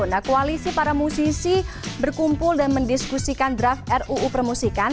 nah koalisi para musisi berkumpul dan mendiskusikan draft ruu permusikan